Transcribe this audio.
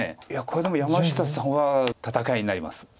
いやこれでも山下さんは戦いになります。